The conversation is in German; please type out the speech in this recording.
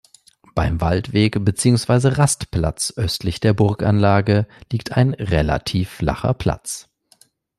Beim Waldweg beziehungsweise Rastplatz östlich der Burganlage liegt ein relativ flacher Platz.